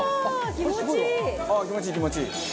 気持ちいい気持ちいい。